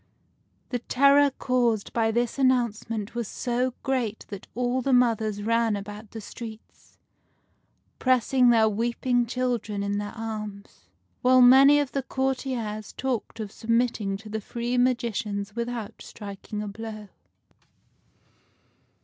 The terror caused by this announcement was so great that all the mothers ran about the streets, pressing their weeping children in their arms ; while many of the courtiers talked of submitting to the three magicians without striking a blow.